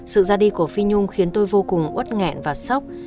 sự ra đi của phí nhung khiến tôi vô cùng út nghẹn và sốc